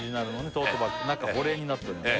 トートバッグ中保冷になっておりますね